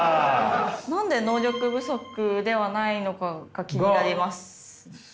何で能力不足ではないのかが気になります。